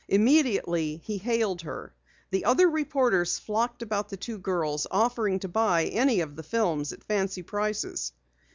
Immediately he hailed her. The other reporters flocked about the two girls, offering to buy any of the films at fancy prices.